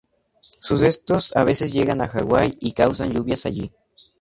Sus restos a veces llegan a Hawai y causan lluvias allí.